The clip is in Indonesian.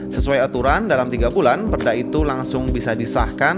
sesuai aturan dalam tiga bulan perda itu langsung bisa disahkan